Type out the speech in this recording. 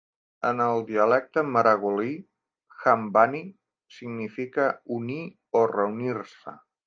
En el dialecte maragoli, "hambani" significa "unir" o "reunir-se".